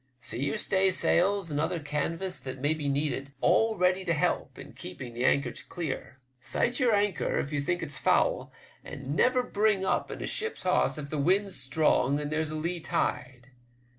See your staysails and other canvas that may be needful all ready to help in keeping the anchor clear. Sight your anchor if you think it's foul, and never bring up in a ship's hawse if the wind's strong and there's a lee tide.